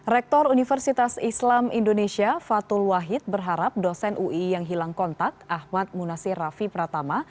rektor universitas islam indonesia fatul wahid berharap dosen ui yang hilang kontak ahmad munasir rafi pratama